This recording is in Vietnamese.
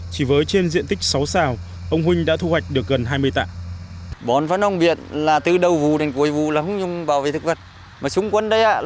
chỉ với trên diện tích sáu xào ông huynh đã thu hoạch được gần hai mươi tạ